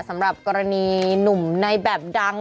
สำหรับกรณีหนุ่มในแบบดัง